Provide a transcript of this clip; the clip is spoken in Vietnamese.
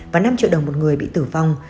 và năm triệu đồng một người bị tử vong